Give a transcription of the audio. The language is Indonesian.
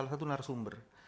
salah satu narasumber